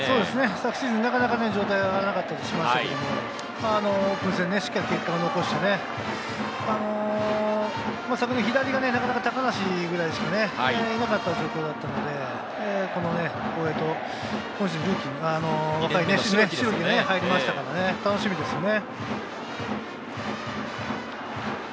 昨シーズン、なかなか状態が上がらなかったりしたんですがオープン戦しっかり結果を残して昨年、左がなかなか高梨ぐらいしかいなかった状況だったので、この大江と代木が入りましたからね、楽しみですね。